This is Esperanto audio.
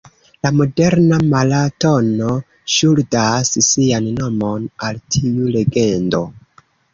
La moderna maratono ŝuldas sian nomon al tiu legendo.